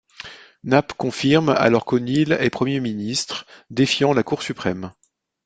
Nape confirme alors qu'O'Neill est Premier ministre, défiant la Cour suprême.